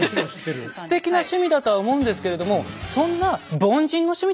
すてきな趣味だとは思うんですけれどもそんな凡人の趣味とは違いまして。